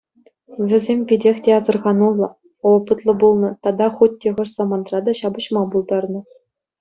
Вӗсем питех те асӑрхануллӑ, опытлӑ пулнӑ тата хуть те хӑш самантра та ҫапӑҫма пултарнӑ.